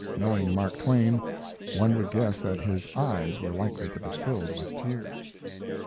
Knowing Mark Twain, one would guess that his eyes were likely to be filled with tears.